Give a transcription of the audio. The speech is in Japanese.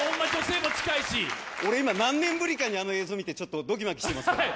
俺、今何年ぶりかにあの映像見て、ちょっとドギマギしてます。